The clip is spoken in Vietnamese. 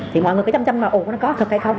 thì mọi người cứ chăm chăm là ồ nó có thật hay không